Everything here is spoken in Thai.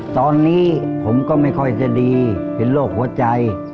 ตอนนี้ผมก็ไม่ค่อยจะดีเป็นโรคหัวใจ